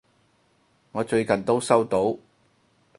我最近都收到！